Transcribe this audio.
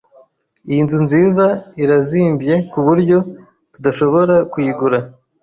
Iyi nzu nziza irazimvye kuburyo tudashobora kuyigura.